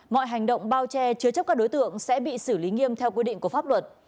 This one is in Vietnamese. mọi hành động bao che chứa chấp các đối tượng sẽ bị xử lý nghiêm theo quy định của pháp luật